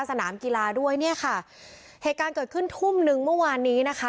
สนามกีฬาด้วยเนี่ยค่ะเหตุการณ์เกิดขึ้นทุ่มนึงเมื่อวานนี้นะคะ